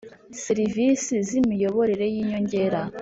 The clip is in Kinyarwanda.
Serivisi z imiyoboro y inyongera